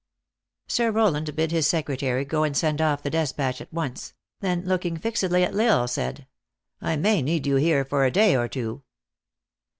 Sir Kowland bid his secretary go and send off the despatch at once ; then looking fixedly at L Isle, said :" I may need you here for a day or two."